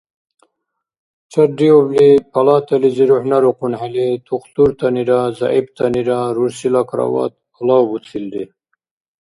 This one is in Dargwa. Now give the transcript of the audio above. Чарриубли палатализи рухӀнарухъунхӀели, тухтуртанира зягӀиптанира рурсила кровать алавбуцилри.